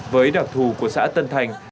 với đặc thù của xã tân thành